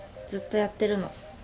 ずっとやってるの。